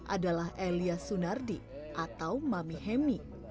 adalah elia sunardi atau mami hemi